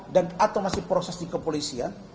dan atau masih proses di kepolisian